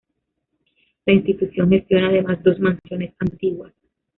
La institución gestiona además dos mansiones antiguas.